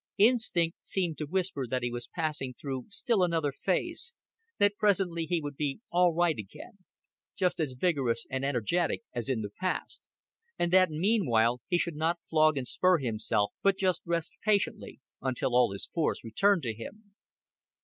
Instinct seemed to whisper that he was passing through still another phase, that presently he would be all right again just as vigorous and energetic as in the past; and that meanwhile he should not flog and spur himself, but just rest patiently until all his force returned to him.